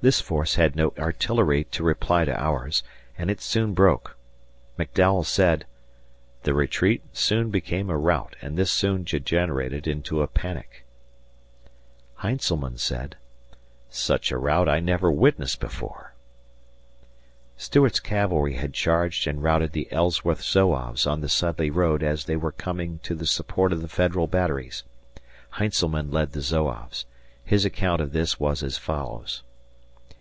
This force had no artillery to reply to ours, and it soon broke. McDowell said "The retreat soon became a rout and this soon degenerated into a panic." Heintzelman said, "Such a rout I never witnessed before." Stuart's cavalry had charged and routed the Ellsworth Zouaves on the Sudley road as they were coming to the support of the Federal batteries. Heintzelman led the Zouaves. His account of this was as follows.